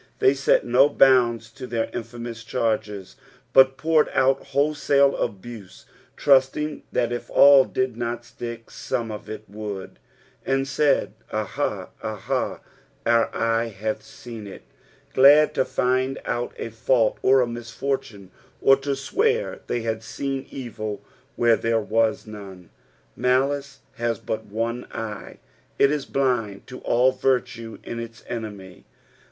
They set no bounds to their infamous charges, but poured out wholesale al>use, trusting that if all did not stick, some of it would. "' And mid. Aha, ahit, our eye hath teen »(." Glad to find out a fault or a misfortune, or to swear they hod seen evil where there was none. Halice has but one eye ; it is blind to oil virtue iu its enemy.